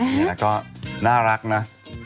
เราก็น่ารักนะ